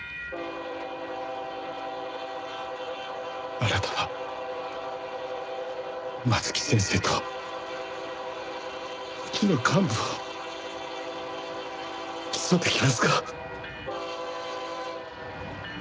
あなたは松木先生とうちの幹部を起訴できますか？